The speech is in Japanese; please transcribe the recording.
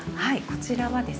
こちらはですね